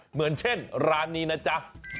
เหมือนเช่นร้านนี้นะจ๊ะ